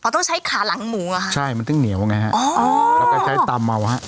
ต้องใช้ขาหลังหมูอ่ะค่ะใช่มันถึงเหนียวไงฮะอ๋อแล้วก็ใช้ตำเอาฮะ